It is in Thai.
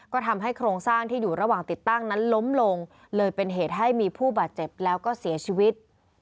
ก็ทำให้โครงสร้างที่อยู่ระหว่างติดตั้งนั้นล้มลงเลยเป็นเหตุให้มีผู้บาดเจ็บแล้วก็เสียชีวิต